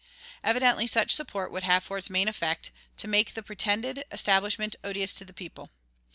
"[79:1] Evidently such support would have for its main effect to make the pretended establishment odious to the people.